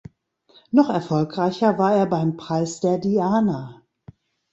Noch erfolgreicher war er beim Preis der Diana.